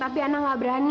tapi ana gak berani